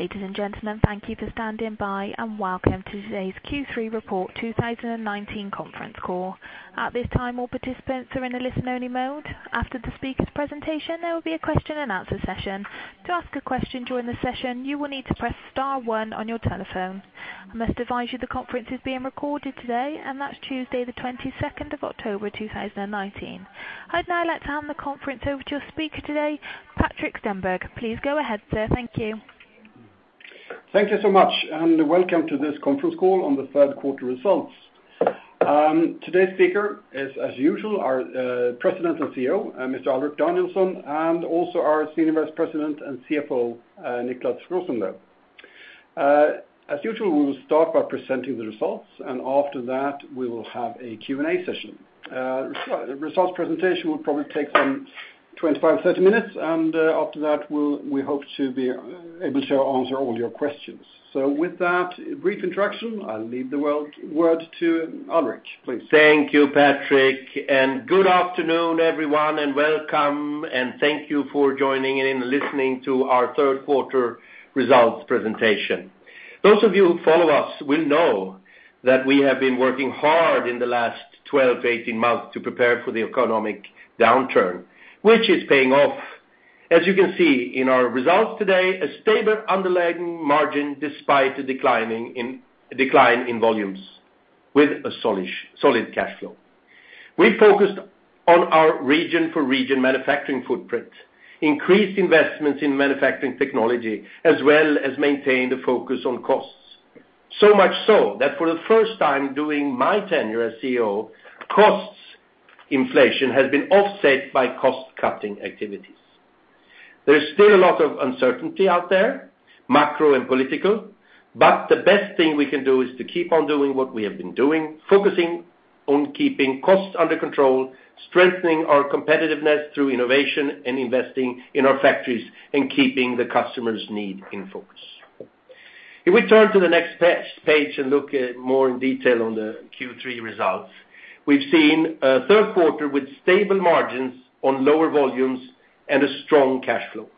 Ladies and gentlemen, thank you for standing by, and welcome to today's Q3 Report 2019 conference call. At this time, all participants are in a listen-only mode. After the speaker's presentation, there will be a question and answer session. To ask a question during the session, you will need to press star one on your telephone. I must advise you the conference is being recorded today, and that's Tuesday, the 22nd of October, 2019. I'd now like to hand the conference over to your speaker today, Patrik Stenberg. Please go ahead, sir. Thank you. Thank you so much. Welcome to this conference call on the third quarter results. Today's speaker is, as usual, our President and CEO, Mr. Alrik Danielson, and also our Senior Vice President and CFO, Niclas Rosenlew. As usual, we will start by presenting the results, and after that, we will have a Q&A session. Results presentation will probably take some 25 to 30 minutes, and after that, we hope to be able to answer all your questions. With that brief introduction, I'll leave the word to Alrik, please. Thank you, Patrik, good afternoon, everyone, welcome, and thank you for joining in and listening to our third quarter results presentation. Those of you who follow us will know that we have been working hard in the last 12 to 18 months to prepare for the economic downturn, which is paying off. As you can see in our results today, a stable underlying margin despite the decline in volumes, with a solid cash flow. We focused on our region for region manufacturing footprint, increased investments in manufacturing technology, as well as maintained a focus on costs. Much so that for the first time during my tenure as CEO, costs inflation has been offset by cost-cutting activities. There's still a lot of uncertainty out there, macro and political, but the best thing we can do is to keep on doing what we have been doing, focusing on keeping costs under control, strengthening our competitiveness through innovation, and investing in our factories, and keeping the customer's need in focus. If we turn to the next page and look more in detail on the Q3 results, we've seen a third quarter with stable margins on lower volumes and a strong cash flow.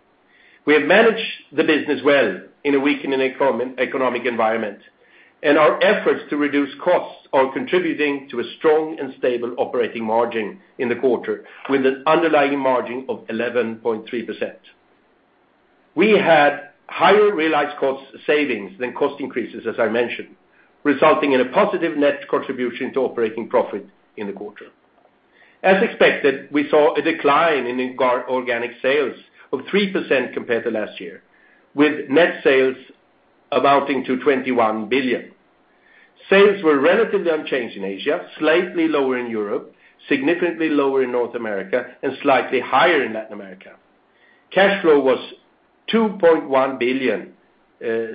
We have managed the business well in a weakening economic environment, and our efforts to reduce costs are contributing to a strong and stable operating margin in the quarter with an underlying margin of 11.3%. We had higher realized cost savings than cost increases, as I mentioned, resulting in a positive net contribution to operating profit in the quarter. As expected, we saw a decline in organic sales of 3% compared to last year, with net sales amounting to 21 billion. Sales were relatively unchanged in Asia, slightly lower in Europe, significantly lower in North America, and slightly higher in Latin America. Cash flow was 2.1 billion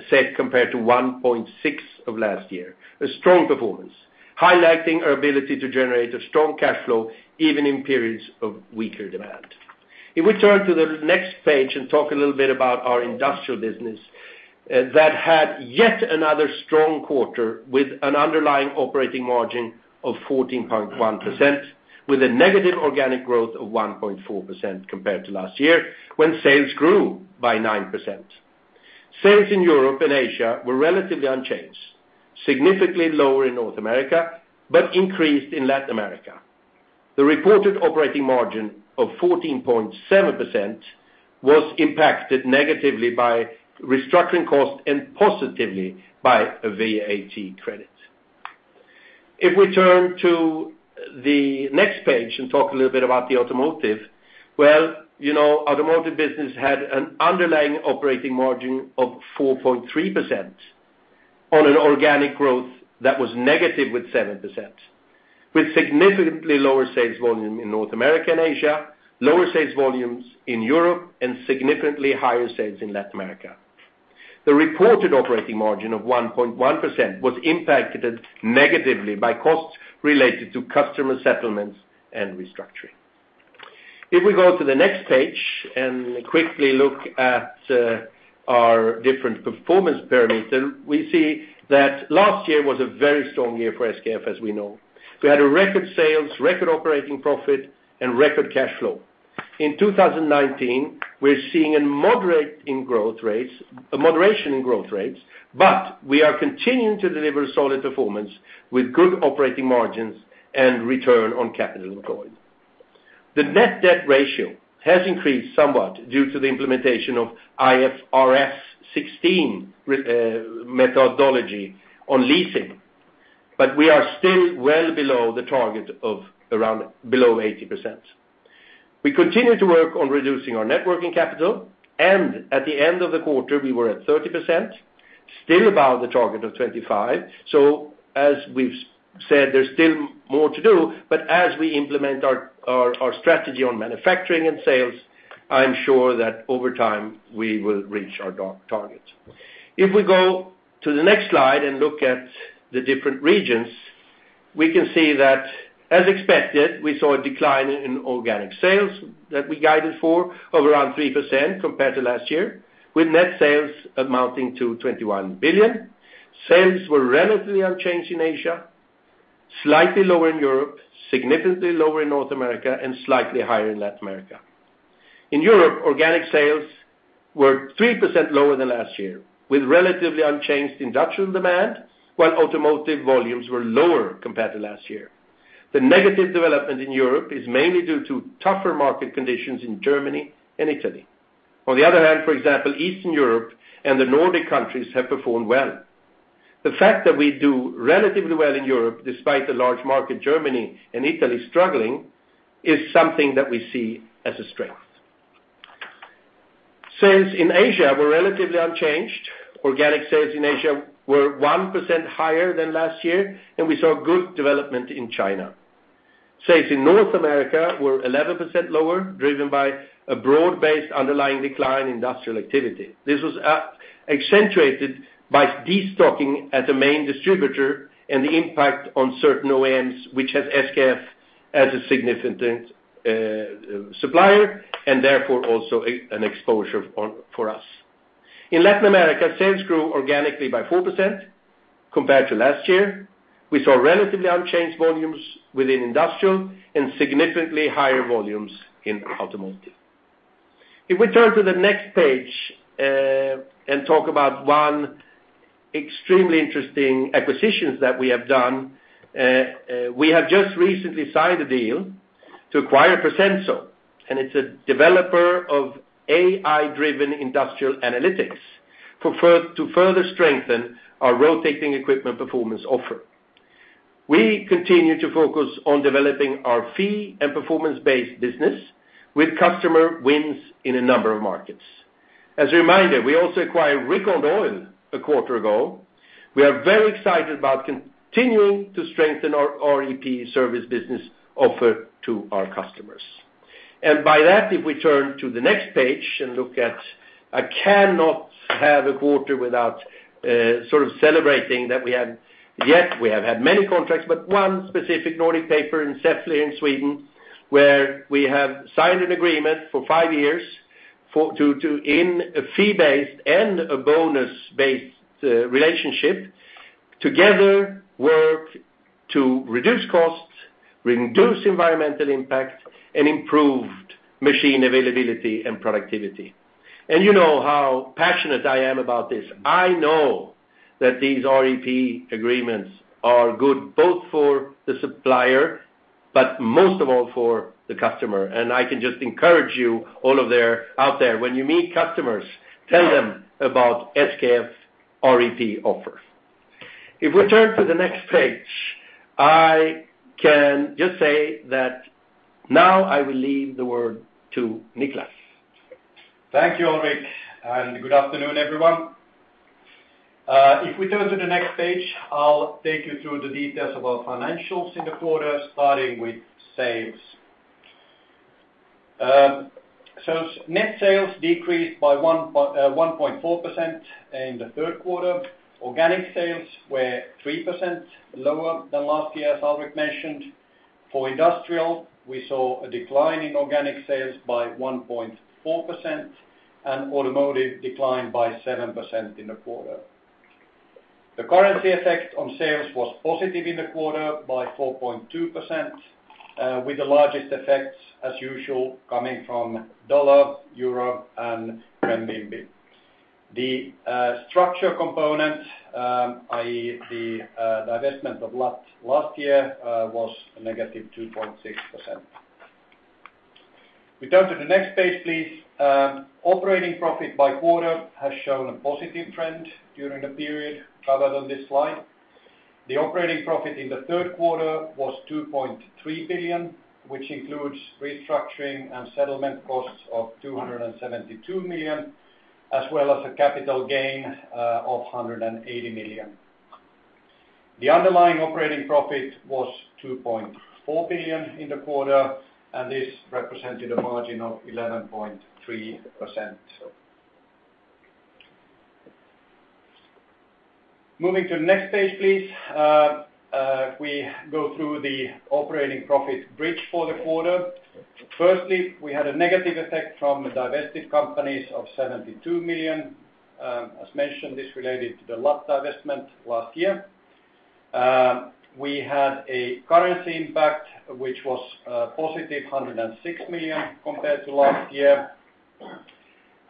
SEK compared to 1.6 billion of last year. A strong performance, highlighting our ability to generate a strong cash flow even in periods of weaker demand. If we turn to the next page and talk a little bit about our industrial business, that had yet another strong quarter with an underlying operating margin of 14.1%, with a negative organic growth of 1.4% compared to last year, when sales grew by 9%. Sales in Europe and Asia were relatively unchanged, significantly lower in North America, but increased in Latin America. The reported operating margin of 14.7% was impacted negatively by restructuring costs and positively by a VAT credit. If we turn to the next page and talk a little bit about the automotive. Well, automotive business had an underlying operating margin of 4.3% on an organic growth that was negative with 7%, with significantly lower sales volume in North America and Asia, lower sales volumes in Europe, and significantly higher sales in Latin America. The reported operating margin of 1.1% was impacted negatively by costs related to customer settlements and restructuring. If we go to the next page and quickly look at our different performance parameter, we see that last year was a very strong year for SKF, as we know. We had a record sales, record operating profit, and record cash flow. In 2019, we're seeing a moderation in growth rates, but we are continuing to deliver solid performance with good operating margins and return on capital employed. The net debt ratio has increased somewhat due to the implementation of IFRS 16 methodology on leasing, but we are still well below the target of around below 80%. We continue to work on reducing our net working capital, and at the end of the quarter, we were at 30%, still above the target of 25%. As we've said, there's still more to do, but as we implement our strategy on manufacturing and sales, I'm sure that over time, we will reach our target. If we go to the next slide and look at the different regions, we can see that as expected, we saw a decline in organic sales that we guided for of around 3% compared to last year, with net sales amounting to 21 billion. Sales were relatively unchanged in Asia. Slightly lower in Europe, significantly lower in North America, and slightly higher in Latin America. In Europe, organic sales were 3% lower than last year, with relatively unchanged industrial demand, while automotive volumes were lower compared to last year. The negative development in Europe is mainly due to tougher market conditions in Germany and Italy. For example, Eastern Europe and the Nordic countries have performed well. The fact that we do relatively well in Europe, despite the large market, Germany and Italy struggling, is something that we see as a strength. Sales in Asia were relatively unchanged. Organic sales in Asia were 1% higher than last year, and we saw good development in China. Sales in North America were 11% lower, driven by a broad-based underlying decline in industrial activity. This was accentuated by de-stocking at the main distributor and the impact on certain OEMs, which has SKF as a significant supplier and therefore also an exposure for us. In Latin America, sales grew organically by 4% compared to last year. We saw relatively unchanged volumes within industrial and significantly higher volumes in automotive. If we turn to the next page and talk about one extremely interesting acquisition that we have done. We have just recently signed a deal to acquire Presenso, and it's a developer of AI-driven industrial analytics to further strengthen our Rotating Equipment Performance offer. We continue to focus on developing our fee and performance-based business with customer wins in a number of markets. As a reminder, we also acquired RecondOil a quarter ago. We are very excited about continuing to strengthen our REP service business offer to our customers. By that, if we turn to the next page and look at, I cannot have a quarter without sort of celebrating that we have, yes, we have had many contracts, but one specific, Nordic Paper in Säffle in Sweden, where we have signed an agreement for five years in a fee-based and a bonus-based relationship together work to reduce costs, reduce environmental impact, and improved machine availability and productivity. You know how passionate I am about this. I know that these REP agreements are good both for the supplier, but most of all for the customer, and I can just encourage you all out there, when you meet customers, tell them about SKF REP offer. If we turn to the next page, I can just say that now I will leave the word to Niclas. Thank you, Alrik, and good afternoon, everyone. If we turn to the next page, I will take you through the details of our financials in the quarter, starting with sales. Net sales decreased by 1.4% in the third quarter. Organic sales were 3% lower than last year, as Alrik mentioned. For industrial, we saw a decline in organic sales by 1.4%, and automotive declined by 7% in the quarter. The currency effect on sales was positive in the quarter by 4.2%, with the largest effects, as usual, coming from dollar, euro, and renminbi. The structure component, i.e. the divestment of L&AT last year, was a -2.6%. We turn to the next page, please. Operating profit by quarter has shown a positive trend during the period covered on this slide. The operating profit in the third quarter was 2.3 billion, which includes restructuring and settlement costs of 272 million, as well as a capital gain of 180 million. The underlying operating profit was 2.4 billion in the quarter, This represented a margin of 11.3%. Moving to the next page, please. We go through the operating profit bridge for the quarter. Firstly, we had a negative effect from divested companies of 72 million. As mentioned, this related to the L&AT divestment last year. We had a currency impact, which was a positive 106 million compared to last year.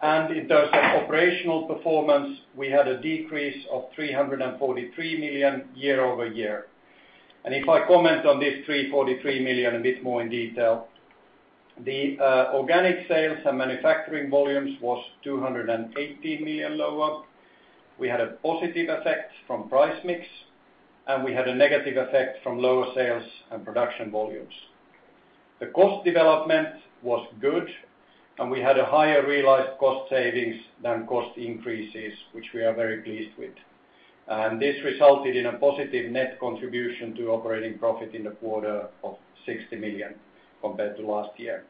In terms of operational performance, we had a decrease of 343 million year-over-year. If I comment on this 343 million a bit more in detail, the organic sales and manufacturing volumes was 280 million lower. We had a positive effect from price mix. We had a negative effect from lower sales and production volumes. The cost development was good. We had a higher realized cost savings than cost increases, which we are very pleased with. This resulted in a positive net contribution to operating profit in the quarter of 60 million compared to last year.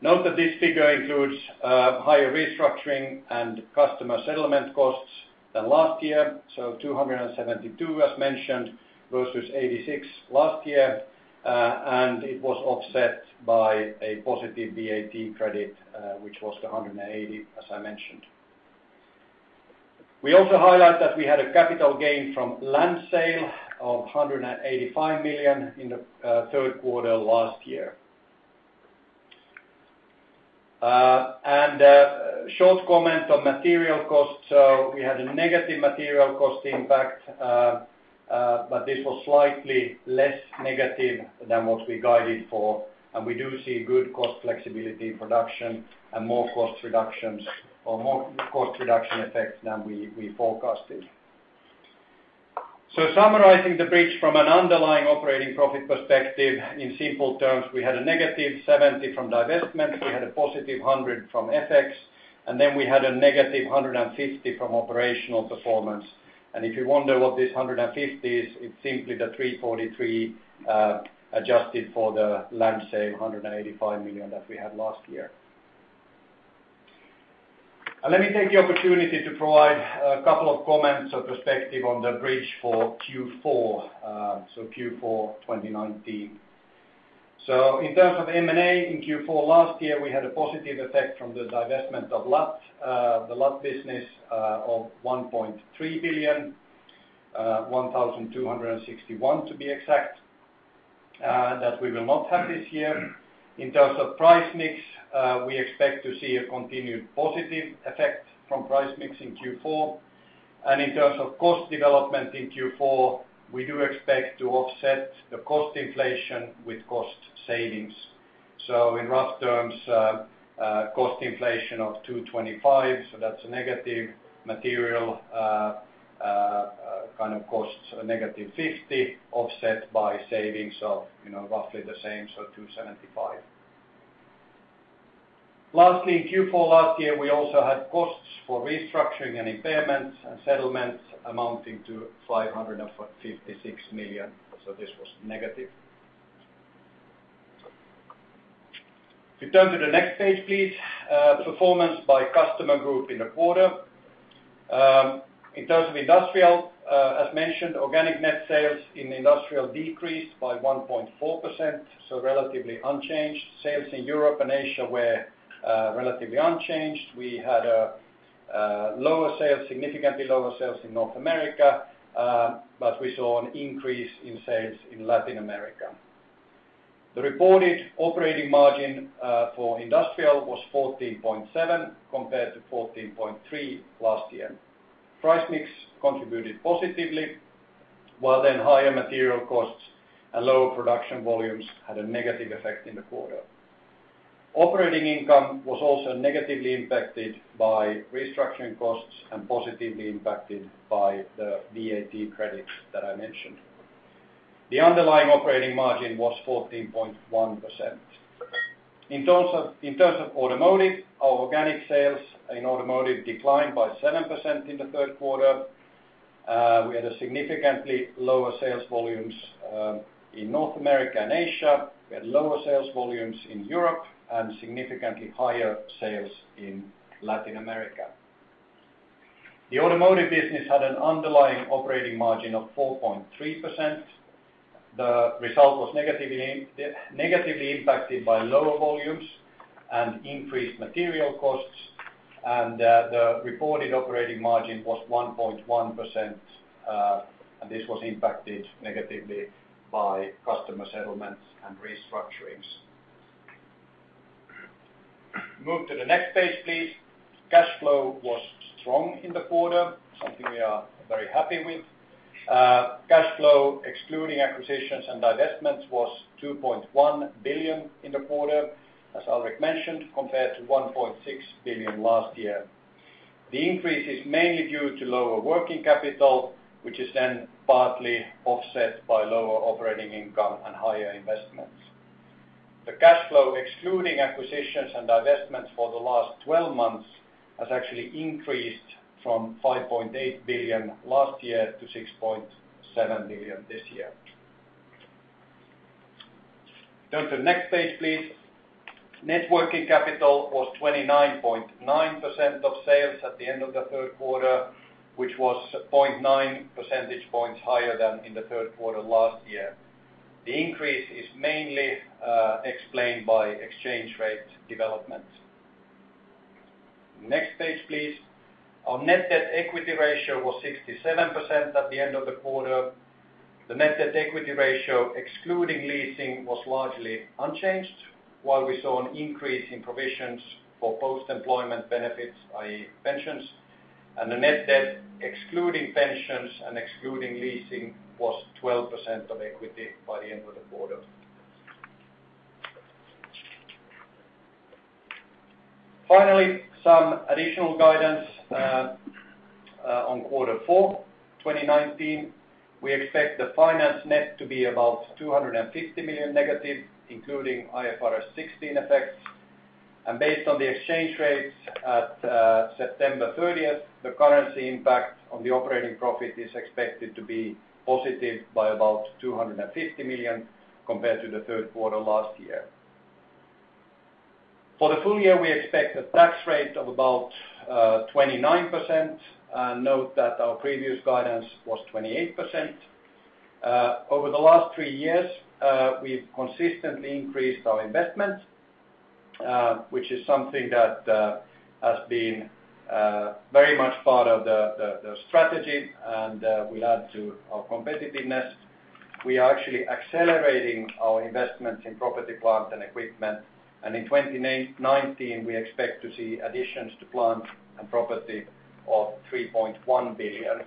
Note that this figure includes higher restructuring and customer settlement costs than last year, so 272, as mentioned, versus 86 last year. It was offset by a positive VAT credit, which was 180, as I mentioned. We also highlight that we had a capital gain from land sale of 185 million in the third quarter of last year. A short comment on material costs. We had a negative material cost impact, but this was slightly less negative than what we guided for, and we do see good cost flexibility in production and more cost reduction effects than we forecasted. Summarizing the bridge from an underlying operating profit perspective, in simple terms, we had a negative 70 from divestment, we had a positive 100 from FX, and then we had a negative 150 from operational performance. If you wonder what this 150 is, it's simply the 343 adjusted for the land sale, 185 million that we had last year. Let me take the opportunity to provide a couple of comments or perspective on the bridge for Q4 2019. In terms of M&A in Q4 last year, we had a positive effect from the divestment of the L&AT business of 1.3 billion, 1,261 to be exact, that we will not have this year. In terms of price mix, we expect to see a continued positive effect from price mix in Q4. In terms of cost development in Q4, we do expect to offset the cost inflation with cost savings. In rough terms, cost inflation of 225, so that's a negative material kind of costs, a negative 50 offset by savings of roughly the same, so 275. Lastly, in Q4 last year, we also had costs for restructuring and impairments and settlements amounting to 556 million. This was negative. If you turn to the next page, please. Performance by customer group in the quarter. In terms of industrial, as mentioned, organic net sales in industrial decreased by 1.4%, so relatively unchanged. Sales in Europe and Asia were relatively unchanged. We had significantly lower sales in North America, but we saw an increase in sales in Latin America. The reported operating margin for industrial was 14.7%, compared to 14.3% last year. Price mix contributed positively, while then higher material costs and lower production volumes had a negative effect in the quarter. Operating income was also negatively impacted by restructuring costs and positively impacted by the VAT credits that I mentioned. The underlying operating margin was 14.1%. In terms of automotive, our organic sales in automotive declined by 7% in the third quarter. We had significantly lower sales volumes in North America and Asia. We had lower sales volumes in Europe and significantly higher sales in Latin America. The automotive business had an underlying operating margin of 4.3%. The result was negatively impacted by lower volumes and increased material costs. The reported operating margin was 1.1%. This was impacted negatively by customer settlements and restructurings. Move to the next page, please. Cash flow was strong in the quarter, something we are very happy with. Cash flow, excluding acquisitions and divestments, was 2.1 billion in the quarter, as Alrik mentioned, compared to 1.6 billion last year. The increase is mainly due to lower working capital, which is then partly offset by lower operating income and higher investments. The cash flow, excluding acquisitions and divestments for the last 12 months, has actually increased from 5.8 billion last year to 6.7 billion this year. Turn to the next page, please. Net working capital was 29.9% of sales at the end of the third quarter, which was 0.9 percentage points higher than in the third quarter last year. The increase is mainly explained by exchange rate development. Next page, please. Our net debt equity ratio was 67% at the end of the quarter. The net debt equity ratio, excluding leasing, was largely unchanged, while we saw an increase in provisions for post-employment benefits, i.e. pensions, and the net debt, excluding pensions and excluding leasing, was 12% of equity by the end of the quarter. Finally, some additional guidance on quarter four 2019. We expect the finance net to be about 250 million negative, including IFRS 16 effects. Based on the exchange rates at September 30th, the currency impact on the operating profit is expected to be positive by about 250 million compared to the third quarter last year. For the full year, we expect a tax rate of about 29%. Note that our previous guidance was 28%. Over the last three years, we've consistently increased our investment, which is something that has been very much part of the strategy and will add to our competitiveness. We are actually accelerating our investments in property, plant, and equipment. In 2019, we expect to see additions to plant and property of 3.1 billion,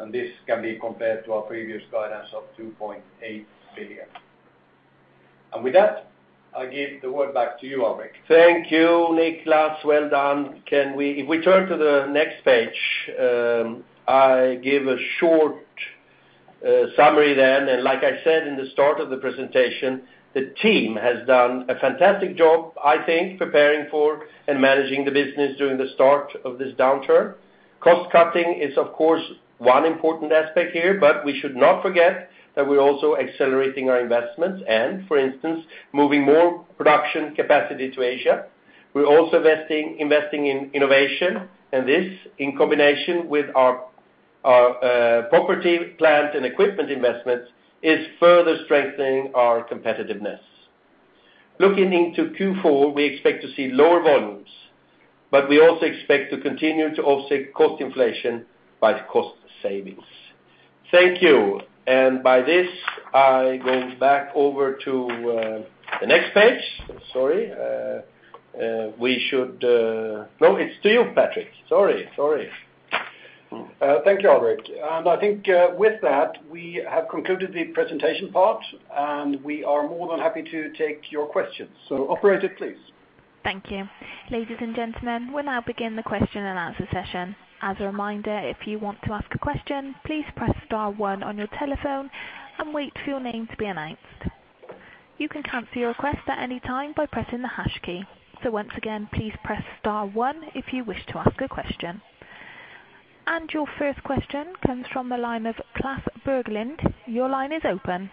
and this can be compared to our previous guidance of 2.8 billion. With that, I give the word back to you, Alrik. Thank you, Niclas. Well done. If we turn to the next page, I give a short summary then. Like I said in the start of the presentation, the team has done a fantastic job, I think, preparing for and managing the business during the start of this downturn. Cost-cutting is, of course, one important aspect here, but we should not forget that we're also accelerating our investments and, for instance, moving more production capacity to Asia. We're also investing in innovation, and this, in combination with our property, plant, and equipment investments, is further strengthening our competitiveness. Looking into Q4, we expect to see lower volumes, but we also expect to continue to offset cost inflation by the cost savings. Thank you. By this, I go back over to the next page. Sorry. No, it's to you, Patrik. Sorry. Thank you, Alrik. I think with that, we have concluded the presentation part, and we are more than happy to take your questions. Operator, please. Thank you. Ladies and gentlemen, we'll now begin the question and answer session. As a reminder, if you want to ask a question, please press star 1 on your telephone and wait for your name to be announced. You can cancel your request at any time by pressing the hash key. Once again, please press star 1 if you wish to ask a question. Your first question comes from the line of Klas Bergelind. Your line is open.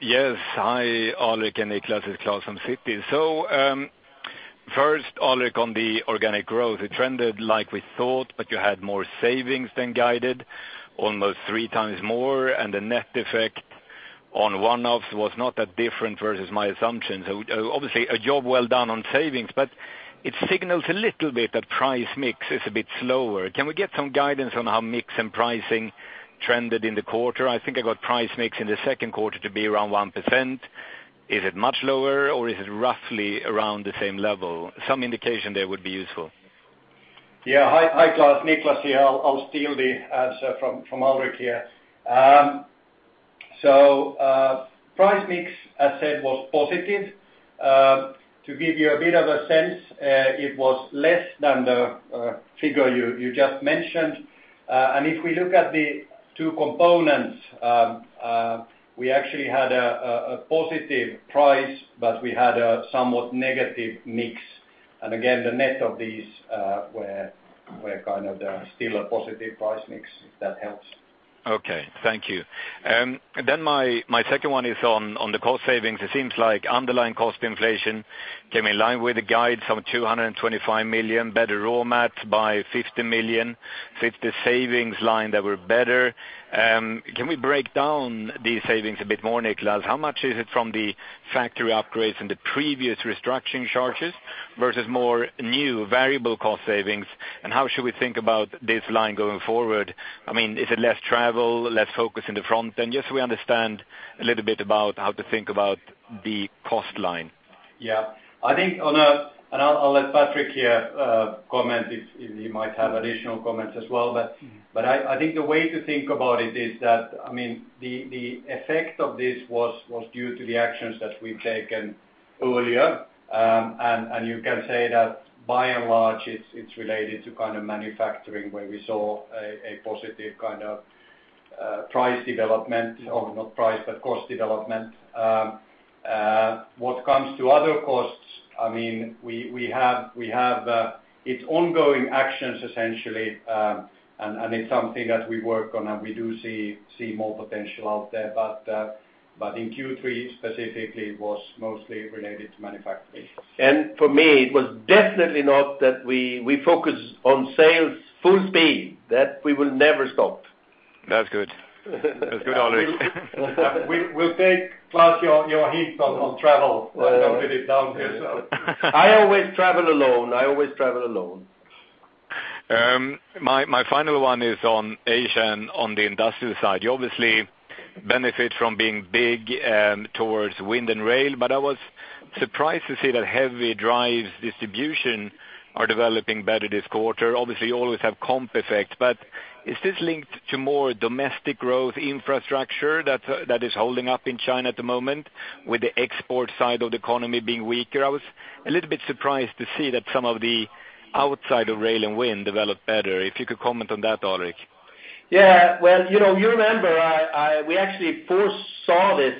Yes. Hi, Alrik and Niclas. It's Klas from Citi. First, Alrik, on the organic growth, it trended like we thought, but you had more savings than guided, almost three times more, and the net effect on one-offs was not that different versus my assumption. Obviously, a job well done on savings, but it signals a little bit that price mix is a bit slower. Can we get some guidance on how mix and pricing trended in the quarter? I think I got price mix in the second quarter to be around 1%. Is it much lower, or is it roughly around the same level? Some indication there would be useful. Yeah. Hi, Klas. Niclas here. I'll steal the answer from Alrik here. Price mix, as said, was positive. To give you a bit of a sense, it was less than the figure you just mentioned. If we look at the two components, we actually had a positive price, but we had a somewhat negative mix. Again, the net of these were still a positive price mix, if that helps. Thank you. My second one is on the cost savings. It seems like underlying cost inflation came in line with the guides of 225 million, better raw mats by 50 million, 50 savings line that were better. Can we break down these savings a bit more, Niclas? How much is it from the factory upgrades and the previous restructuring charges versus more new variable cost savings, and how should we think about this line going forward? Is it less travel, less focus in the front end? Just so we understand a little bit about how to think about the cost line. Yeah. I think I'll let Patrik here comment if he might have additional comments as well, but I think the way to think about it is that the effect of this was due to the actions that we've taken earlier. You can say that by and large, it's related to kind of manufacturing where we saw a positive kind of price development, or not price, but cost development. What comes to other costs, it's ongoing actions, essentially. It's something that we work on, and we do see more potential out there. In Q3 specifically, it was mostly related to manufacturing. For me, it was definitely not that we focus on sales full speed. That we will never stop. That's good. That's good, Alrik. We'll take, Klas, your hints on travel a little bit down here. I always travel alone. My final one is on Asia and on the industrial side. You obviously benefit from being big towards wind and rail, but I was surprised to see that heavy drive distribution are developing better this quarter. Obviously, you always have comp effect, but is this linked to more domestic growth infrastructure that is holding up in China at the moment with the export side of the economy being weaker? I was a little bit surprised to see that some of the outside of rail and wind developed better. If you could comment on that, Alrik. Yeah. Well, you remember, we actually foresaw this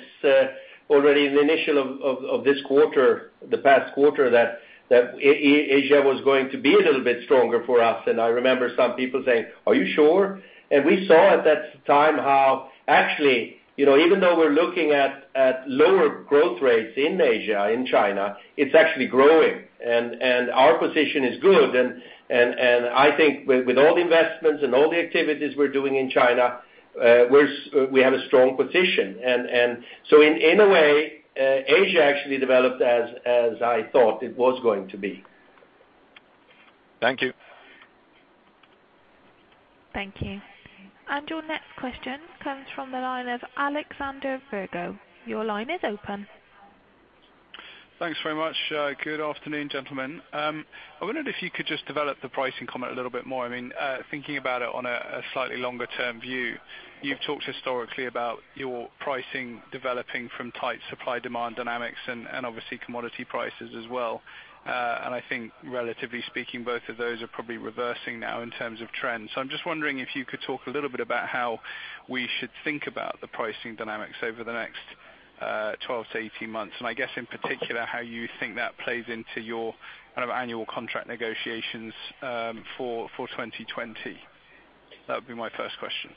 already in the initial of this quarter, the past quarter, that Asia was going to be a little bit stronger for us. I remember some people saying, "Are you sure?" We saw at that time how actually, even though we're looking at lower growth rates in Asia, in China, it's actually growing, and our position is good. I think with all the investments and all the activities we're doing in China, we have a strong position. In a way, Asia actually developed as I thought it was going to be. Thank you. Thank you. Your next question comes from the line of Alexander Virgo. Your line is open. Thanks very much. Good afternoon, gentlemen. I wondered if you could just develop the pricing comment a little bit more. Thinking about it on a slightly longer-term view, you've talked historically about your pricing developing from tight supply-demand dynamics and obviously commodity prices as well. I think relatively speaking, both of those are probably reversing now in terms of trends. I'm just wondering if you could talk a little bit about how we should think about the pricing dynamics over the next 12 to 18 months, and I guess in particular, how you think that plays into your annual contract negotiations for 2020. That would be my first question.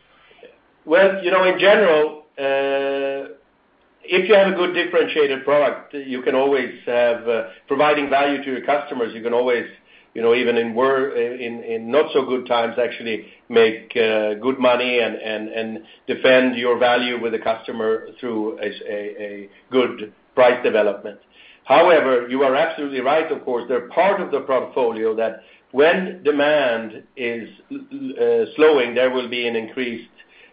Well, in general, if you have a good differentiated product, you can always have providing value to your customers. You can always, even in not so good times, actually make good money and defend your value with the customer through a good price development. However, you are absolutely right, of course. There are part of the portfolio that when demand is slowing, there will be an increased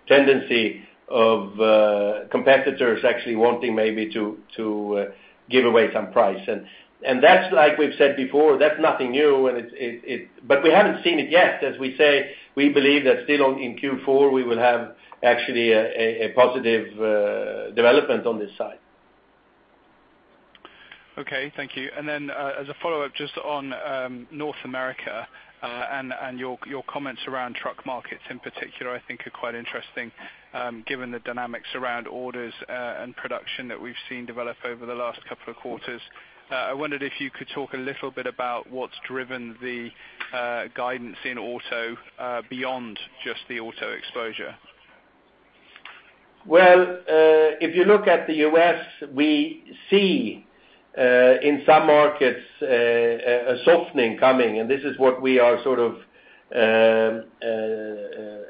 tendency of competitors actually wanting maybe to give away some price. That's like we've said before, that's nothing new, but we haven't seen it yet. As we say, we believe that still in Q4, we will have actually a positive development on this side. Okay. Thank you. As a follow-up just on North America, and your comments around truck markets in particular, I think are quite interesting, given the dynamics around orders and production that we've seen develop over the last couple of quarters. I wondered if you could talk a little bit about what's driven the guidance in auto, beyond just the auto exposure. Well, if you look at the U.S., we see, in some markets, a softening coming, and this is what we are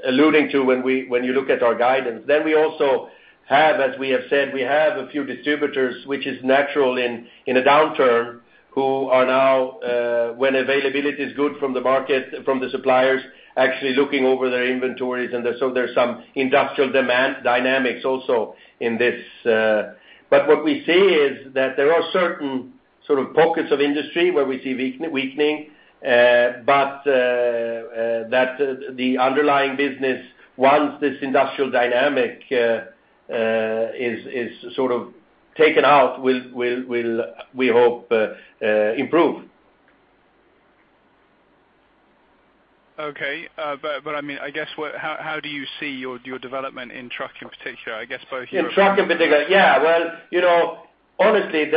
alluding to when you look at our guidance. We also have, as we have said, we have a few distributors which is natural in a downturn, who are now, when availability is good from the suppliers, actually looking over their inventories, and so there's some industrial demand dynamics also in this. What we see is that there are certain pockets of industry where we see weakening, but that the underlying business, once this industrial dynamic is taken out, will, we hope, improve. Okay. I guess, how do you see your development in truck in particular? In truck in particular. Yeah. Well, honestly,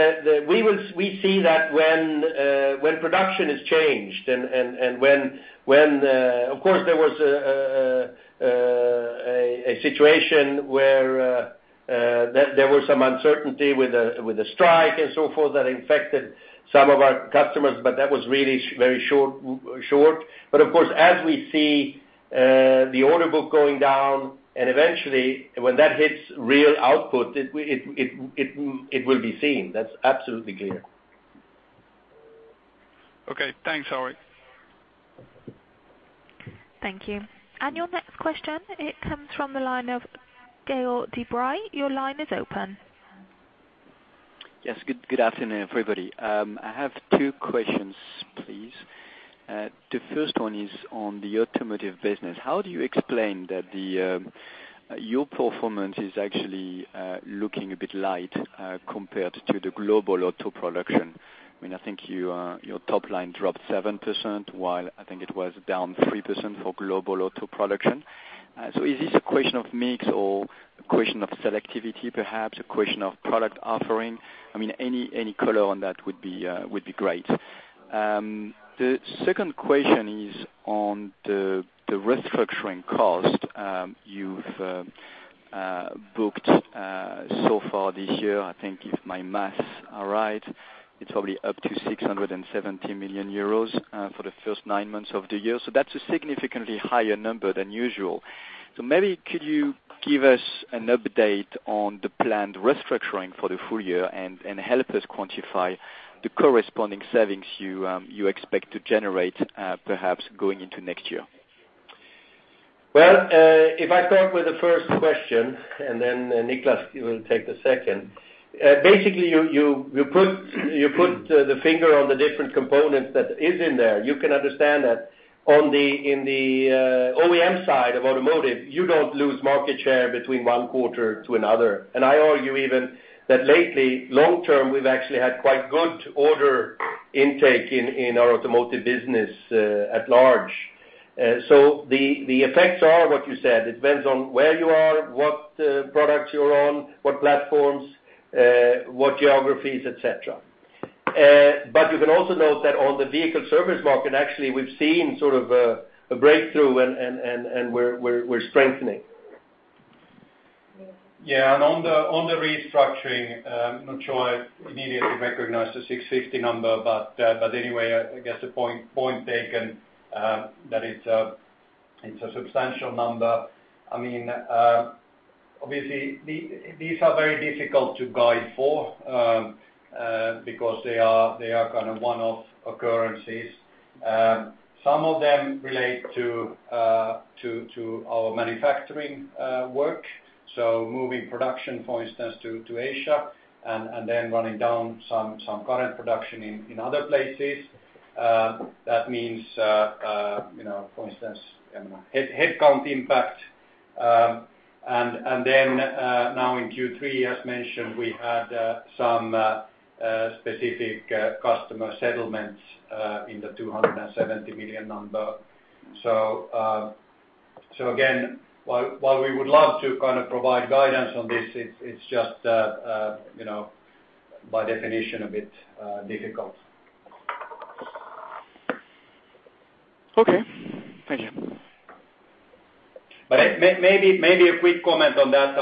we see that when production has changed. There was a situation where there was some uncertainty with the strike and so forth that infected some of our customers. That was really very short. As we see the order book going down, and eventually when that hits real output, it will be seen. That's absolutely clear. Okay. Thanks, Harry. Thank you. Your next question, it comes from the line of Gael de-Bray. Your line is open. Yes. Good afternoon, everybody. I have two questions, please. The first one is on the automotive business. How do you explain that your performance is actually looking a bit light compared to the global auto production? I think your top line dropped 7%, while I think it was down 3% for global auto production. Is this a question of mix or a question of selectivity, perhaps? A question of product offering? Any color on that would be great. The second question is on the restructuring cost you've booked so far this year. I think if my math are right, it's probably up to 670 million euros] for the first nine months of the year. That's a significantly higher number than usual. Maybe could you give us an update on the planned restructuring for the full year and help us quantify the corresponding savings you expect to generate perhaps going into next year? Well, if I start with the first question and then Niclas will take the second. You put the finger on the different components that is in there. You can understand that in the OEM side of automotive, you don't lose market share between one quarter to another. I argue even that lately, long term, we've actually had quite good order intake in our automotive business at large. The effects are what you said. It depends on where you are, what products you're on, what platforms, what geographies, et cetera. You can also note that on the vehicle service market, actually, we've seen a breakthrough and we're strengthening. On the restructuring, I'm not sure I immediately recognize the 650 number, but anyway, I guess the point taken that it's a substantial number. Obviously, these are very difficult to guide for because they are one-off occurrences. Some of them relate to our manufacturing work. Moving production, for instance, to Asia and then running down some current production in other places. That means, for instance, headcount impact. Now in Q3, as mentioned, we had some specific customer settlements in the 270 million number. Again, while we would love to provide guidance on this, it's just by definition a bit difficult. Okay. Thank you. Maybe a quick comment on that.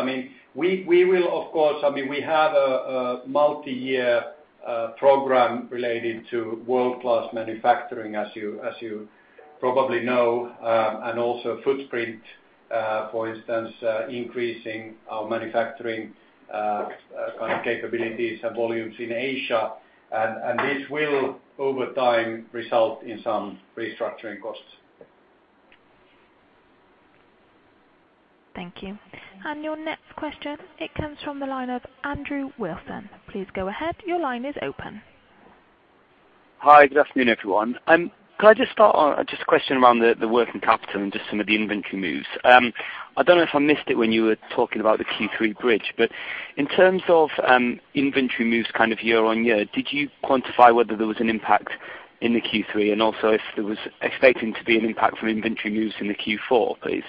We have a multi-year program related to world-class manufacturing, as you probably know, and also footprint for instance increasing our manufacturing capabilities and volumes in Asia. This will over time result in some restructuring costs. Thank you. Your next question, it comes from the line of Andrew Wilson. Please go ahead. Your line is open. Hi, good afternoon, everyone. Could I just start on just a question around the working capital and just some of the inventory moves. I don't know if I missed it when you were talking about the Q3 bridge, in terms of inventory moves kind of year-on-year, did you quantify whether there was an impact in the Q3 and also if there was expecting to be an impact from inventory moves in the Q4, please?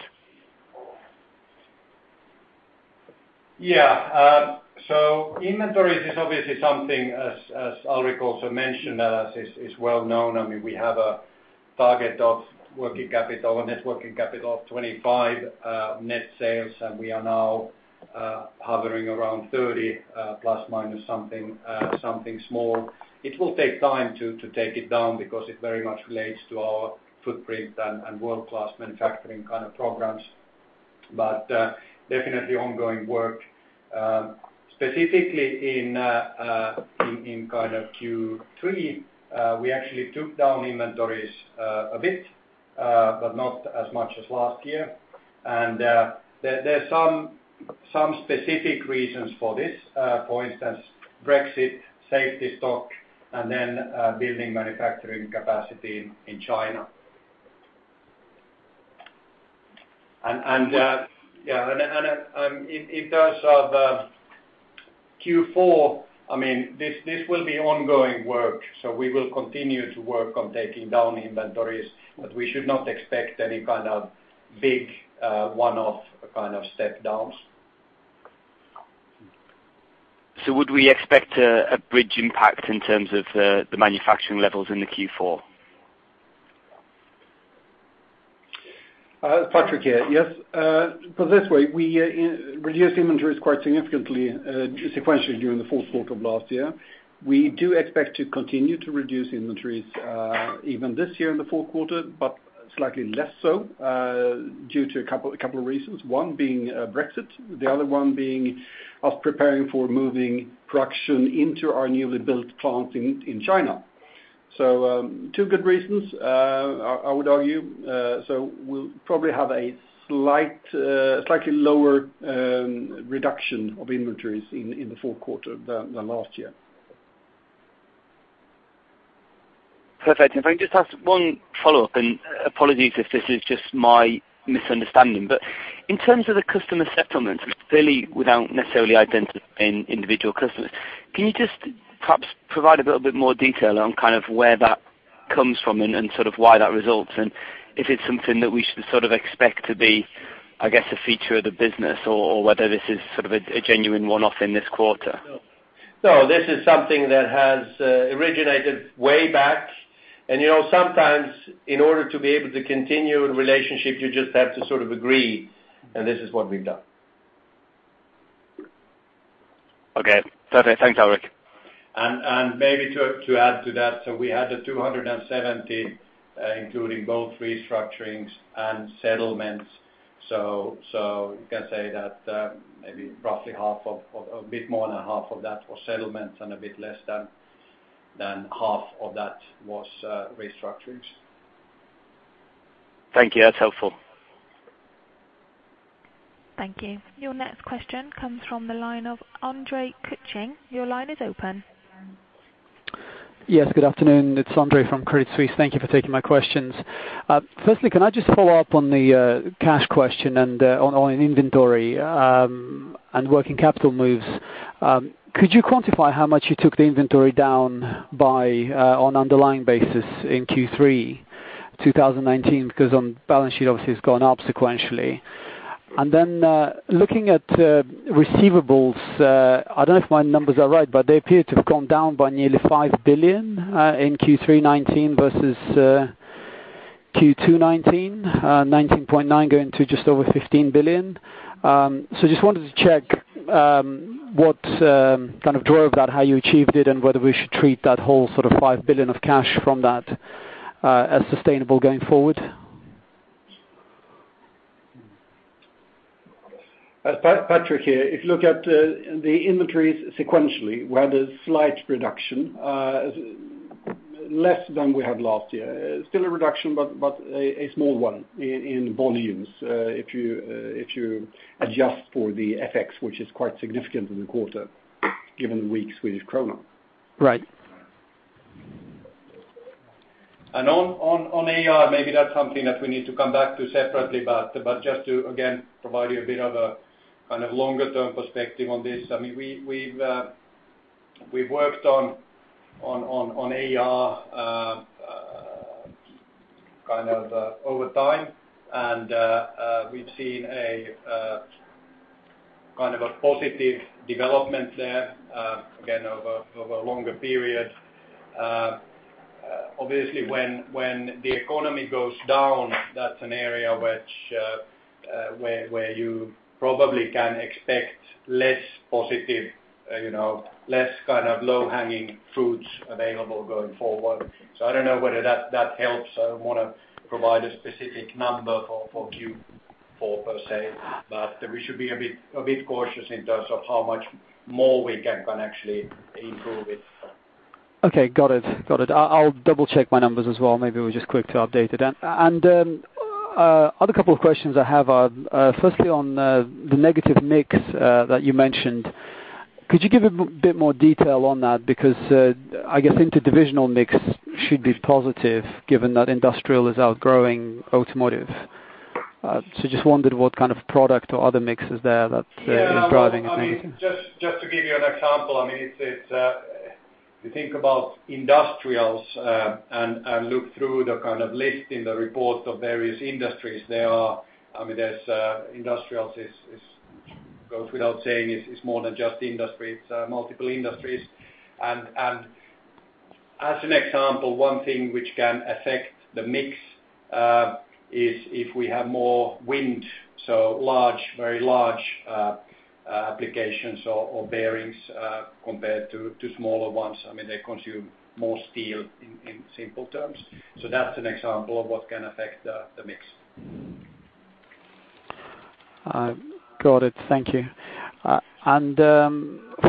Yeah. Inventories is obviously something as Alrik also mentioned, is well known. We have a target of working capital or net working capital of 25% net sales, we are now hovering around 30% plus minus something small. It will take time to take it down because it very much relates to our footprint and world-class manufacturing kind of programs. Definitely ongoing work. Specifically in Q3, we actually took down inventories a bit, not as much as last year. There's some specific reasons for this. For instance, Brexit, safety stock, and then building manufacturing capacity in China. In terms of Q4, this will be ongoing work. We will continue to work on taking down inventories, we should not expect any kind of big one-off kind of step downs. Would we expect a bridge impact in terms of the manufacturing levels in the Q4? Patrik here. Yes. Put it this way, we reduced inventories quite significantly sequentially during the fourth quarter of last year. We do expect to continue to reduce inventories even this year in the fourth quarter, but slightly less so due to a couple of reasons, one being Brexit, the other one being us preparing for moving production into our newly built plant in China. Two good reasons, I would argue. We'll probably have a slightly lower reduction of inventories in the fourth quarter than last year. Perfect. If I can just ask one follow-up, and apologies if this is just my misunderstanding, but in terms of the customer settlements, clearly without necessarily identifying individual customers, can you just perhaps provide a little bit more detail on where that comes from and sort of why that results? If it's something that we should sort of expect to be, I guess, a feature of the business or whether this is sort of a genuine one-off in this quarter? No, this is something that has originated way back. Sometimes in order to be able to continue a relationship, you just have to sort of agree, and this is what we've done. Okay, perfect. Thanks, Alrik. Maybe to add to that, we had 270 including both restructurings and settlements. You can say that maybe roughly a bit more than half of that was settlements and a bit less than half of that was restructurings. Thank you. That's helpful. Thank you. Your next question comes from the line of Andre Kukhnin. Your line is open. Yes, good afternoon. It's Andre from Credit Suisse. Thank you for taking my questions. Firstly, can I just follow up on the cash question and on inventory and net working capital moves. Could you quantify how much you took the inventory down by on underlying basis in Q3 2019? Because on balance sheet, obviously it's gone up sequentially. Looking at receivables, I don't know if my numbers are right, but they appear to have gone down by nearly 5 billion in Q3 2019 versus Q2 2019, 19.9 billion going to just over 15 billion. Just wanted to check what kind of drove that, how you achieved it, and whether we should treat that whole sort of 5 billion of cash from that as sustainable going forward? Patrik here. If you look at the inventories sequentially, we had a slight reduction, less than we have last year. Still a reduction, but a small one in volumes if you adjust for the FX, which is quite significant in the quarter given the weak Swedish krona. Right. On AR, maybe that's something that we need to come back to separately, but just to, again, provide you a bit of a longer term perspective on this, we've worked on AR over time and we've seen a positive development there again over a longer period. Obviously, when the economy goes down, that's an area where you probably can expect less positive, less low-hanging fruits available going forward. I don't know whether that helps. I don't want to provide a specific number for Q4 per se, we should be a bit cautious in terms of how much more we can actually improve it. Okay, got it. I'll double-check my numbers as well. Maybe we're just quick to update it. Other couple of questions I have are, firstly, on the negative mix that you mentioned, could you give a bit more detail on that? Because I guess interdivisional mix should be positive given that industrial is outgrowing automotive. Just wondered what kind of product or other mix is there that is driving it maybe. Just to give you an example, if you think about industrials, and look through the list in the report of various industries, industrials, it goes without saying, is more than just industry. It's multiple industries. As an example, one thing which can affect the mix is if we have more wind, so very large applications or bearings compared to smaller ones. They consume more steel in simple terms. That's an example of what can affect the mix. Got it. Thank you.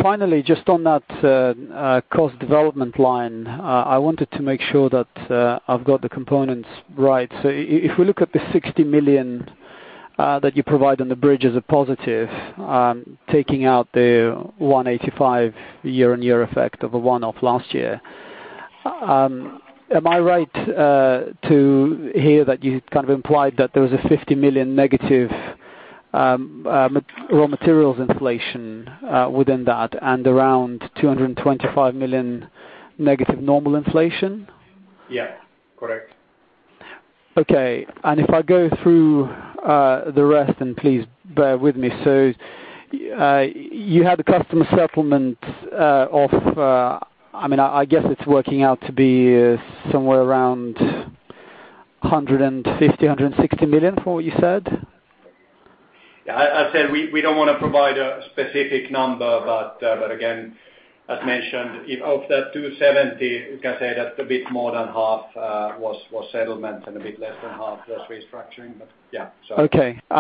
Finally, just on that cost development line, I wanted to make sure that I've got the components right. If we look at the 60 million that you provide on the bridge as a positive, taking out the 185 year-on-year effect of a one-off last year, am I right to hear that you implied that there was a 50 million negative raw materials inflation within that and around 225 million negative normal inflation? Yeah, correct. Okay. If I go through the rest, and please bear with me. You had a customer settlement of, I guess it's working out to be somewhere around 150 million, 160 million from what you said? I said we don't want to provide a specific number. Again, as mentioned, of that 270, we can say that a bit more than half was settlement and a bit less than half was restructuring. Yeah. Okay. The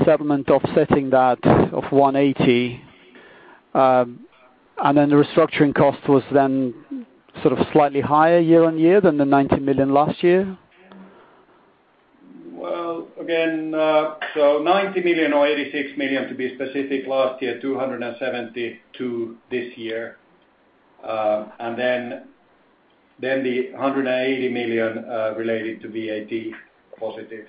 VAT settlement offsetting that of 180, and then the restructuring cost was then slightly higher year-on-year than the 90 million last year? Well, again, 90 million or 86 million to be specific last year, 272 this year, and then the 180 million related to VAT positive.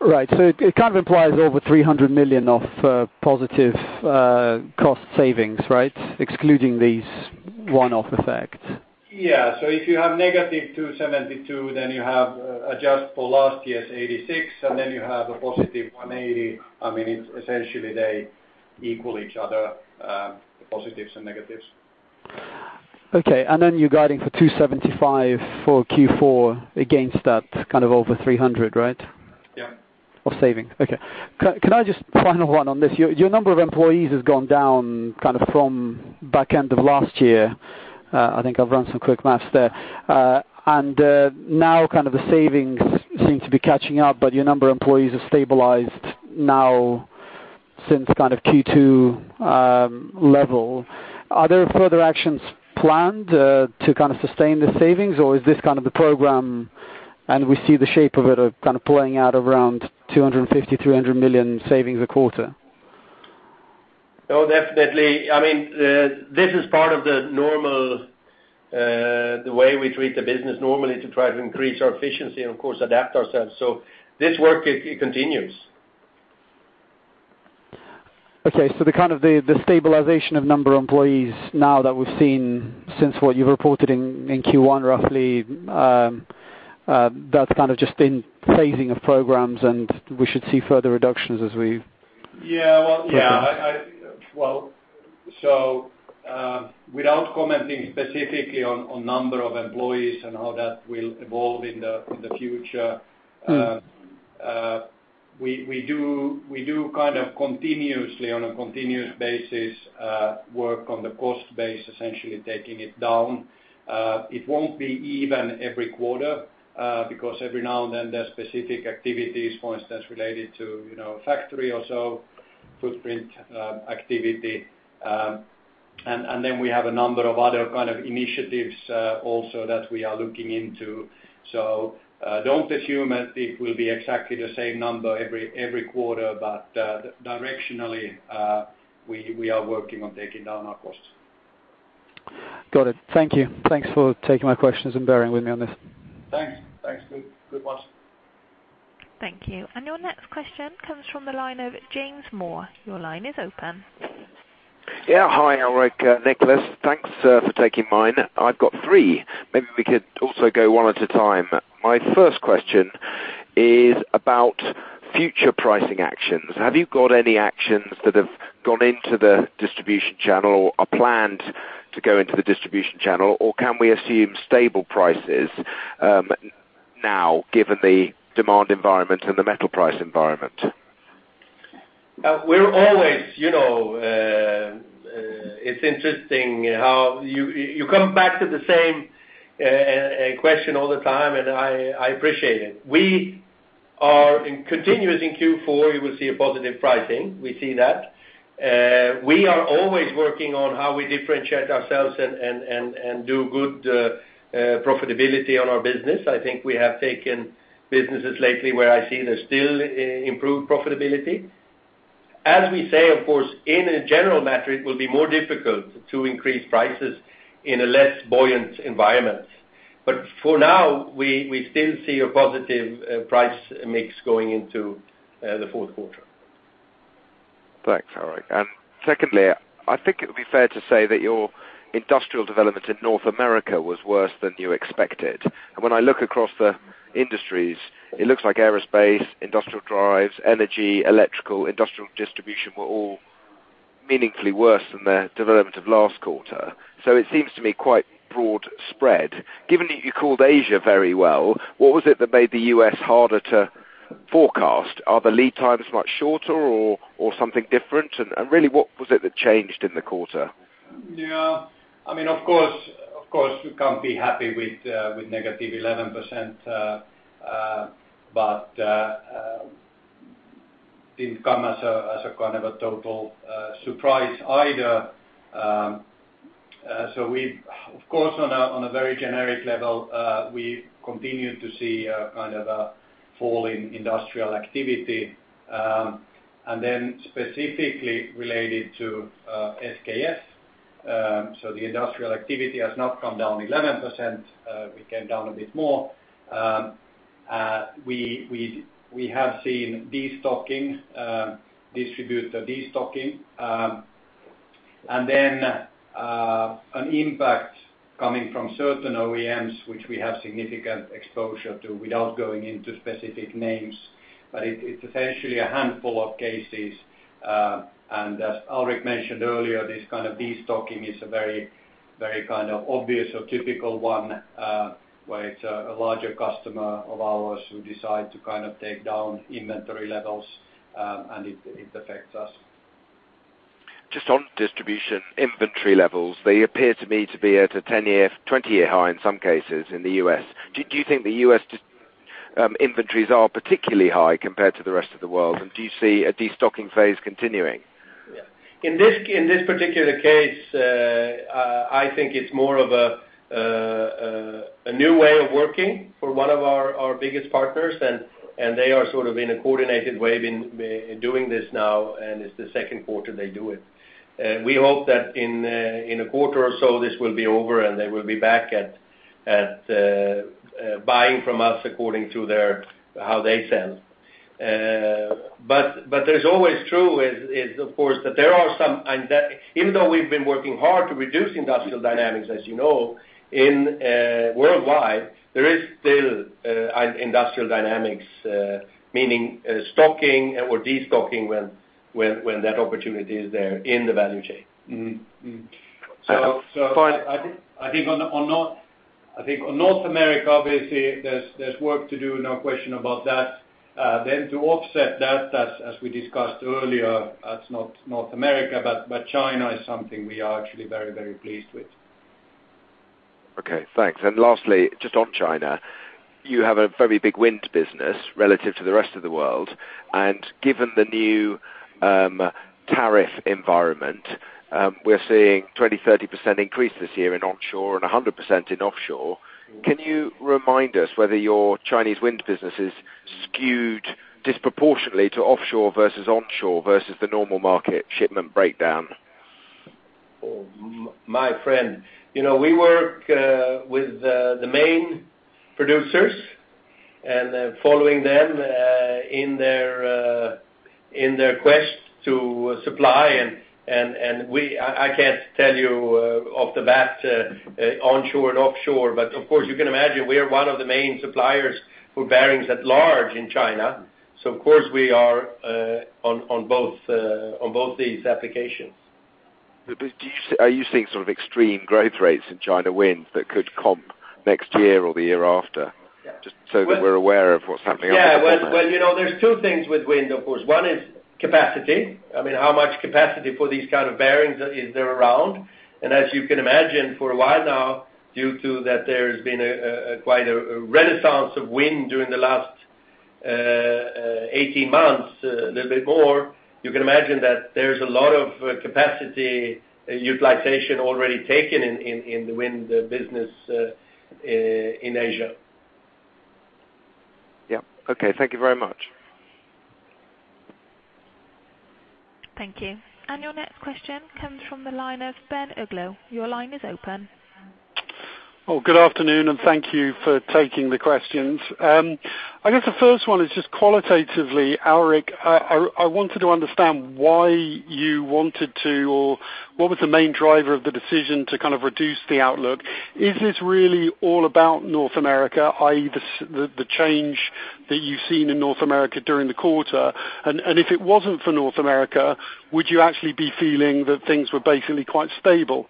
Right. It kind of implies over 300 million of positive cost savings, right, excluding these one-off effects? Yeah. If you have negative 272, then you have adjustable last year's 86, and then you have a positive 180. Essentially they equal each other, the positives and negatives. Okay. You're guiding for 275 for Q4 against that over 300, right? Yeah. Of saving. Okay. Can I just, final one on this, your number of employees has gone down from back end of last year. I think I've run some quick maths there. Now the savings seem to be catching up, but your number of employees have stabilized now since Q2 level. Are there further actions planned to sustain the savings or is this the program and we see the shape of it pulling out around 250 million, 300 million savings a quarter? No, definitely. This is part of the way we treat the business normally to try to increase our efficiency and of course adapt ourselves. This work, it continues. Okay. The stabilization of number of employees now that we've seen since what you've reported in Q1 roughly, that's just in phasing of programs and we should see further reductions as we progress. Yeah. Without commenting specifically on number of employees and how that will evolve in the future. We do kind of continuously on a continuous basis work on the cost base, essentially taking it down. It won't be even every quarter because every now and then there are specific activities, for instance, related to factory or so, footprint activity. We have a number of other kind of initiatives also that we are looking into. Don't assume that it will be exactly the same number every quarter. Directionally, we are working on taking down our costs. Got it. Thank you. Thanks for taking my questions and bearing with me on this. Thanks. Good one. Thank you. Your next question comes from the line of James Moore. Your line is open. Yeah. Hi, Alrik, Niclas. Thanks for taking mine. I've got three. Maybe we could also go one at a time. My first question is about future pricing actions. Have you got any actions that have gone into the distribution channel or are planned to go into the distribution channel, or can we assume stable prices now, given the demand environment and the metal price environment? It's interesting how you come back to the same question all the time, and I appreciate it. We are continuous in Q4, you will see a positive pricing. We see that. We are always working on how we differentiate ourselves and do good profitability on our business. I think we have taken businesses lately where I see there's still improved profitability. As we say, of course, in a general metric, it will be more difficult to increase prices in a less buoyant environment. For now, we still see a positive price mix going into the fourth quarter. Thanks, Alrik. Secondly, I think it would be fair to say that your industrial development in North America was worse than you expected. When I look across the industries, it looks like aerospace, industrial drives, energy, electrical, industrial distribution were all meaningfully worse than their development of last quarter. It seems to me quite broad spread. Given that you called Asia very well, what was it that made the U.S. harder to forecast? Are the lead times much shorter or something different? Really, what was it that changed in the quarter? Yeah. Of course we can't be happy with negative 11%, but didn't come as a kind of a total surprise either. Of course on a very generic level, we continue to see a kind of a fall in industrial activity, then specifically related to SKF. The industrial activity has not come down 11%. We came down a bit more. We have seen distributor destocking. An impact coming from certain OEMs, which we have significant exposure to without going into specific names. It's essentially a handful of cases. As Alrik mentioned earlier, this kind of destocking is a very kind of obvious or typical one where it's a larger customer of ours who decide to kind of take down inventory levels, and it affects us. Just on distribution inventory levels, they appear to me to be at a 10-year, 20-year high in some cases in the U.S. Do you think the U.S. inventories are particularly high compared to the rest of the world? Do you see a destocking phase continuing? In this particular case, I think it's more of a new way of working for one of our biggest partners, and they are sort of in a coordinated way doing this now, and it's the second quarter they do it. We hope that in a quarter or so this will be over and they will be back at buying from us according to how they sell. There's always true is, of course, that there are, even though we've been working hard to reduce industrial dynamics, as you know, worldwide, there is still industrial dynamics meaning stocking or destocking when that opportunity is there in the value chain. I think on North America, obviously there's work to do, no question about that. To offset that, as we discussed earlier, that's not North America, but China is something we are actually very, very pleased with. Okay, thanks. Lastly, just on China, you have a very big wind business relative to the rest of the world, given the new tariff environment we're seeing 20%-30% increase this year in onshore and 100% in offshore. Can you remind us whether your Chinese wind business is skewed disproportionately to offshore versus onshore versus the normal market shipment breakdown? My friend. We work with the main producers and following them in their quest to supply and I can't tell you off the bat onshore and offshore, but of course you can imagine we are one of the main suppliers for bearings at large in China. Of course we are on both these applications. Are you seeing sort of extreme growth rates in China wind that could comp next year or the year after? Just so that we're aware of what's happening over there. Yeah. Well, there's two things with wind, of course. One is capacity. I mean, how much capacity for these kind of bearings is there around? As you can imagine, for a while now, due to that there has been quite a renaissance of wind during the last 18 months, a little bit more, you can imagine that there's a lot of capacity utilization already taken in the wind business in Asia. Yeah. Okay. Thank you very much. Thank you. Your next question comes from the line of Ben Uglow. Your line is open. Good afternoon, thank you for taking the questions. I guess the first one is just qualitatively, Alrik, I wanted to understand why you wanted to, or what was the main driver of the decision to kind of reduce the outlook. Is this really all about North America, i.e., the change that you've seen in North America during the quarter? If it wasn't for North America, would you actually be feeling that things were basically quite stable?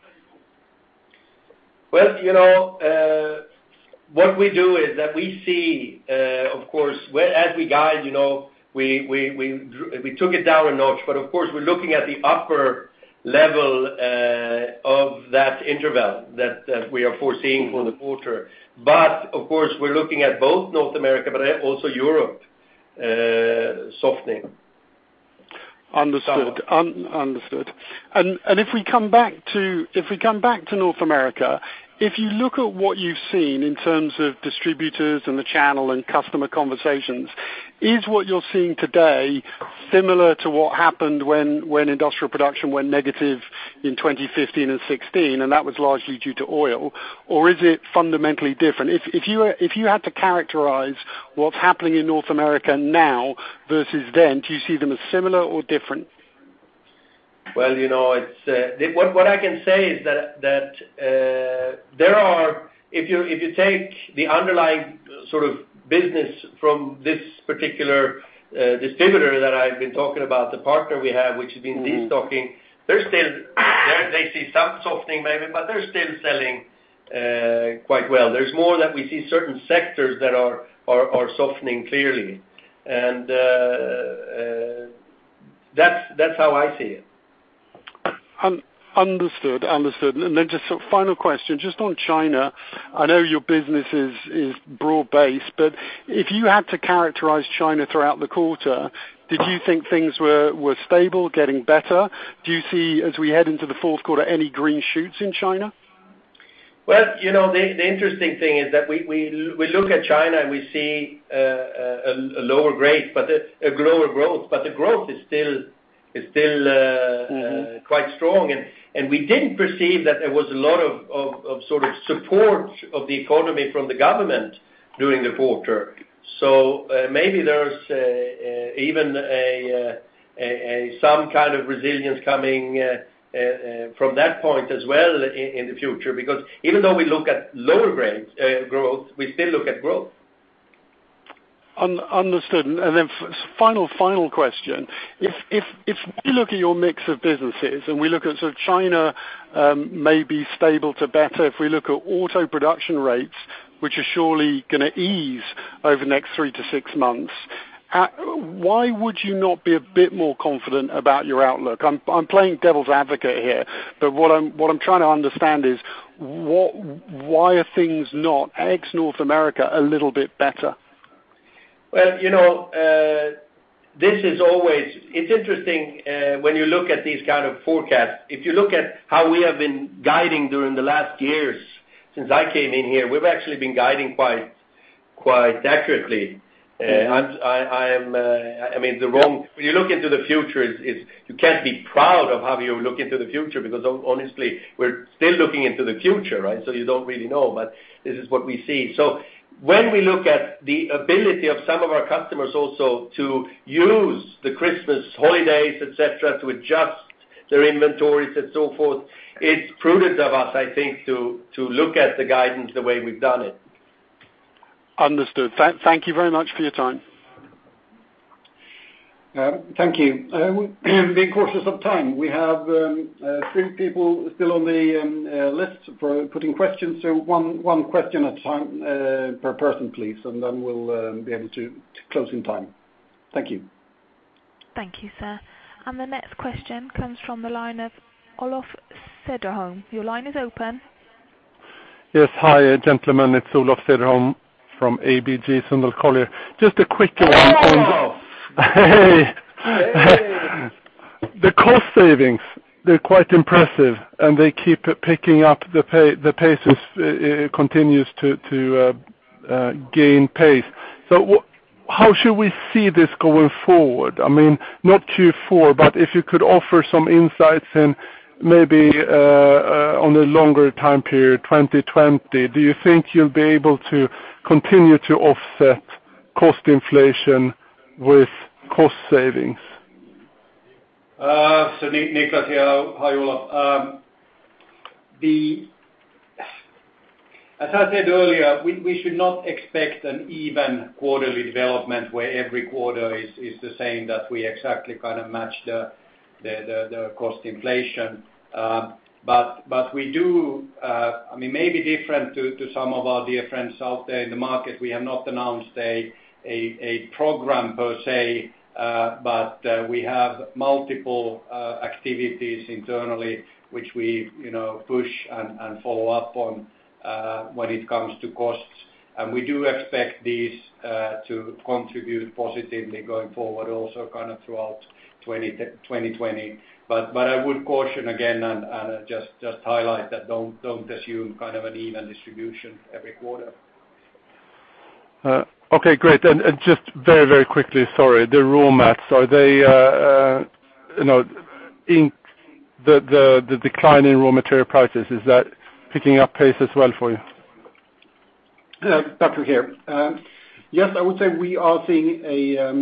Well, what we do is that we see, of course, as we guide, we took it down a notch, but of course, we're looking at the upper level of that interval that we are foreseeing for the quarter. Of course, we're looking at both North America but also Europe softening. Understood. If we come back to North America, if you look at what you've seen in terms of distributors and the channel and customer conversations, is what you're seeing today similar to what happened when industrial production went negative in 2015 and 2016, and that was largely due to oil, or is it fundamentally different? If you had to characterize what's happening in North America now versus then, do you see them as similar or different? Well, what I can say is that if you take the underlying sort of business from this particular distributor that I've been talking about, the partner we have, which has been destocking, they see some softening maybe, but they're still selling quite well. There's more that we see certain sectors that are softening clearly. That's how I see it. Understood. Then just a final question, just on China. I know your business is broad-based, but if you had to characterize China throughout the quarter, did you think things were stable, getting better? Do you see, as we head into the fourth quarter, any green shoots in China? The interesting thing is that we look at China and we see a lower growth, but the growth is still quite strong. We didn't perceive that there was a lot of sort of support of the economy from the government during the quarter. Maybe there's even some kind of resilience coming from that point as well in the future, because even though we look at lower growth, we still look at growth. Understood. Then final question. If we look at your mix of businesses, and we look at sort of China may be stable to better, if we look at auto production rates, which are surely going to ease over the next 3 to 6 months, why would you not be a bit more confident about your outlook? I'm playing devil's advocate here, but what I'm trying to understand is why are things not, ex North America, a little bit better? It's interesting when you look at these kind of forecasts. If you look at how we have been guiding during the last years since I came in here, we've actually been guiding quite accurately. When you look into the future, you can't be proud of how you look into the future because, honestly, we're still looking into the future, right? You don't really know, but this is what we see. When we look at the ability of some of our customers also to use the Christmas holidays, et cetera, to adjust their inventories and so forth, it's prudent of us, I think, to look at the guidance the way we've done it. Understood. Thank you very much for your time. Thank you. Being conscious of time, we have three people still on the list for putting questions. One question at a time per person, please, and then we'll be able to close in time. Thank you. Thank you, sir. The next question comes from the line of Olof Cederholm. Your line is open. Yes. Hi, gentlemen. It's Olof Cederholm from ABG Sundal Collier. Just a quick one. Hello. Hey. Hey. The cost savings, they're quite impressive, and they keep picking up the pace. It continues to gain pace. How should we see this going forward? I mean, not Q4, but if you could offer some insights in maybe on a longer time period, 2020. Do you think you'll be able to continue to offset cost inflation with cost savings? Niclas here. Hi, Olof. As I said earlier, we should not expect an even quarterly development where every quarter is the same that we exactly match the cost inflation. We do, maybe different to some of our dear friends out there in the market, we have not announced a program per se, but we have multiple activities internally which we push and follow up on when it comes to costs. We do expect these to contribute positively going forward, also throughout 2020. I would caution again and just highlight that don't assume an even distribution every quarter. Okay, great. Just very quickly, sorry. The raw mats, are they in the decline in raw material prices? Is that picking up pace as well for you? Patrik here. Yes, I would say we are seeing a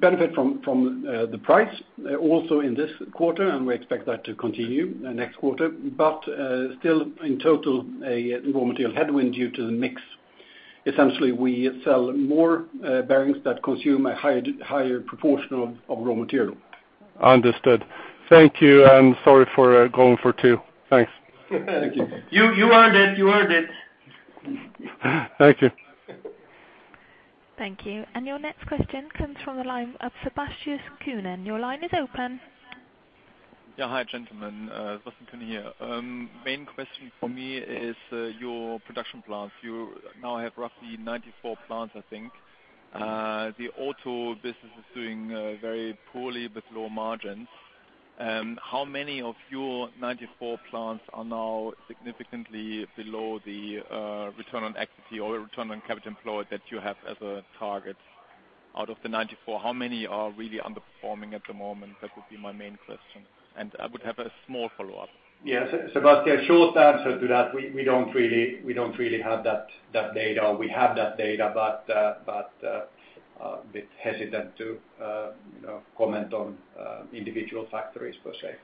benefit from the price also in this quarter, and we expect that to continue next quarter. Still in total, a raw material headwind due to the mix. Essentially, we sell more bearings that consume a higher proportion of raw material. Understood. Thank you and sorry for going for two. Thanks. Thank you. You earned it. Thank you. Thank you. Your next question comes from the line of Sebastian Kuenne. Your line is open. Yeah. Hi, gentlemen. Sebastian Kuenne here. Main question from me is your production plans. You now have roughly 94 plants, I think. The auto business is doing very poorly with low margins. How many of your 94 plants are now significantly below the return on equity or return on capital employed that you have as a target? Out of the 94, how many are really underperforming at the moment? That would be my main question. I would have a small follow-up. Yeah. Sebastian, short answer to that, we don't really have that data. We have that data, but a bit hesitant to comment on individual factories per se.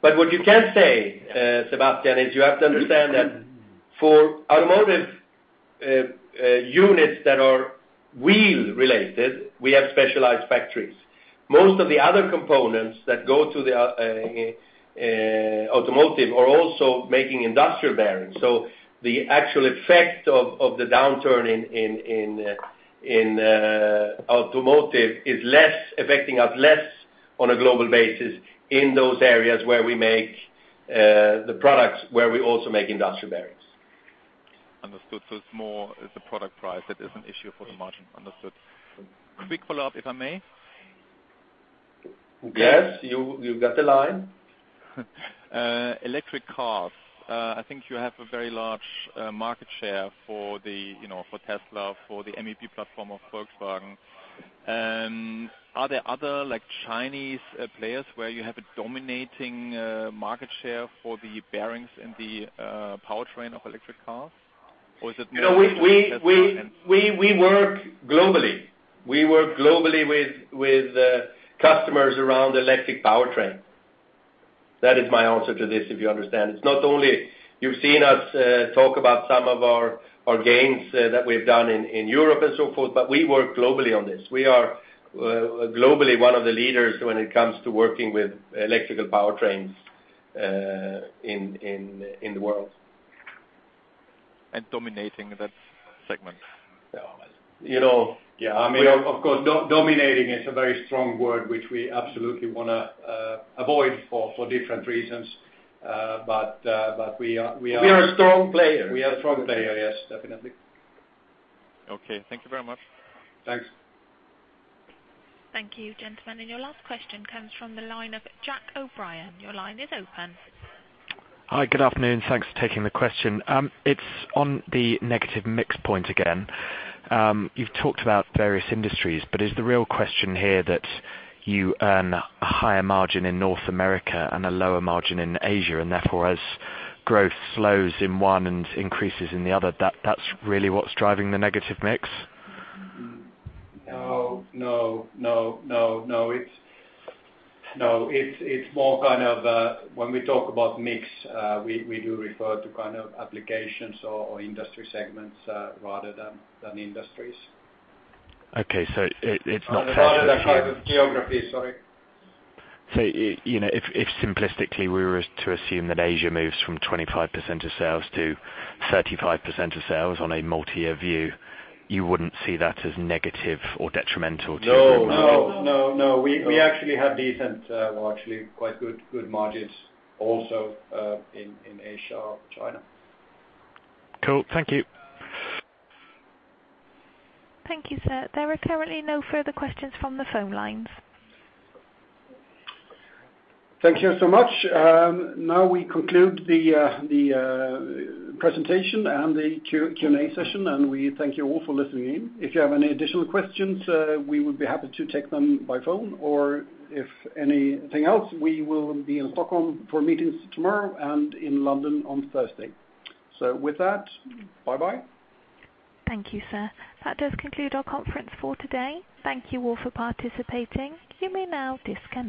What you can say, Sebastian, is you have to understand that for automotive units that are wheel related, we have specialized factories. Most of the other components that go to the automotive are also making industrial bearings. The actual effect of the downturn in automotive is affecting us less on a global basis in those areas where we make the products, where we also make industrial bearings. Understood. It's the product price that is an issue for the margin. Understood. Quick follow-up, if I may? Yes. You've got the line. Electric cars. I think you have a very large market share for Tesla, for the MEB platform of Volkswagen. Are there other Chinese players where you have a dominating market share for the bearings in the powertrain of electric cars? We work globally. We work globally with customers around electric powertrain. That is my answer to this, if you understand. You've seen us talk about some of our gains that we've done in Europe and so forth, but we work globally on this. We are globally one of the leaders when it comes to working with electrical powertrains in the world. Dominating that segment almost. Yeah. Of course, dominating is a very strong word, which we absolutely want to avoid for different reasons. We are a strong player. We are a strong player, yes, definitely. Okay. Thank you very much. Thanks. Thank you, gentlemen. Your last question comes from the line of Jack O'Brien. Your line is open. Hi, good afternoon. Thanks for taking the question. It's on the negative mix point again. You've talked about various industries, is the real question here that you earn a higher margin in North America and a lower margin in Asia, and therefore as growth slows in one and increases in the other, that's really what's driving the negative mix? No. It's more kind of when we talk about mix, we do refer to applications or industry segments rather than industries. Okay. It's not fair to say- Rather the type of geography, sorry. If simplistically, we were to assume that Asia moves from 25% of sales to 35% of sales on a multi-year view, you wouldn't see that as negative or detrimental. No. We actually have decent, well, actually quite good margins also in Asia or China. Cool. Thank you. Thank you, sir. There are currently no further questions from the phone lines. Thank you so much. Now we conclude the presentation and the Q&A session. We thank you all for listening in. If you have any additional questions, we would be happy to take them by phone, or if anything else, we will be in Stockholm for meetings tomorrow and in London on Thursday. With that, bye-bye. Thank you, sir. That does conclude our conference for today. Thank you all for participating. You may now disconnect.